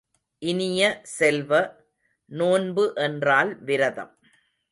இனிய செல்வ, நோன்பு என்றால் விரதம்!